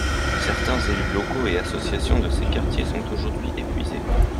Certains élus locaux et associations de ces quartiers sont aujourd’hui épuisés.